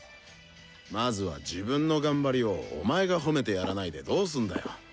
まずは自分の頑張りをお前が褒めてやらないでどうすんだよ？